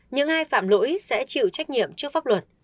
những ai phạm lỗi sẽ chịu trách nhiệm trước pháp luật